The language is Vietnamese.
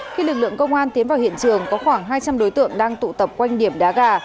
khi lực lượng công an tiến vào hiện trường có khoảng hai trăm linh đối tượng đang tụ tập quanh điểm đá gà